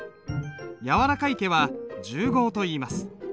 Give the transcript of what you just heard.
柔らかい毛は柔毫といいます。